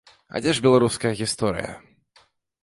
А дзе ж беларуская гісторыя?